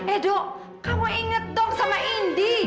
edo kamu inget dong sama indi